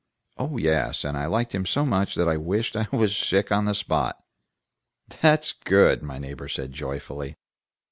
"Oh yes, and I liked him so much that I wished I was sick on the spot!" "That's good!" my neighbor said, joyfully.